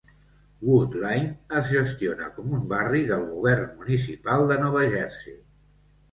Woodlynne es gestiona com un barri del govern municipal de Nova Jersey.